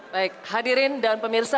baik hadirin dan pemirsa